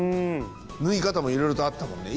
縫い方もいろいろとあったもんね。